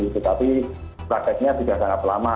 tetapi prakteknya sudah sangat lama